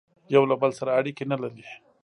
یوه له بل سره اړیکي نه لري